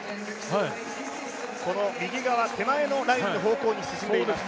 右側手前のラインの方向に進んでいます。